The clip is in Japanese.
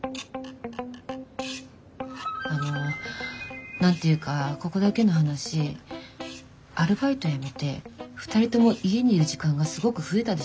あの何て言うかここだけの話アルバイトやめて２人とも家にいる時間がすごく増えたでしょ？